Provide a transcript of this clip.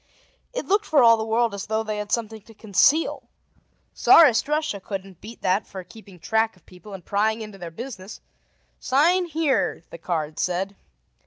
It looked for all the world as though they had something to conceal; Czarist Russia couldn't beat that for keeping track of people and prying into their business. Sign here, the card said.